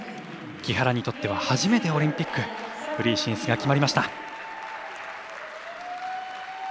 木原にとっては初めてオリンピック、フリー進出が決まりました。